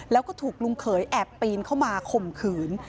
แล้วก็ถูกลุงเขยแอบปีนเข้ามาข่มขืน